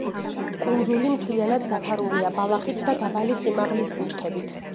კუნძული მთლიანად დაფარულია ბალახით და დაბალი სიმაღლის ბუჩქებით.